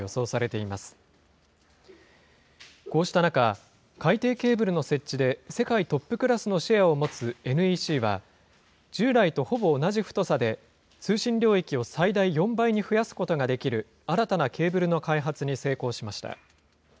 こうした中、海底ケーブルの設置で世界トップクラスのシェアを持つＮＥＣは、従来とほぼ同じ太さで、通信領域を最大４倍に増やすことができる新たなケーブルの開発に成功しました。